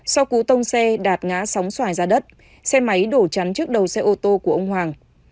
sau cú tông xe đạp ngã sóng xoài ra đất xe máy đổ chắn trước đầu xe ô tô của ông hoàng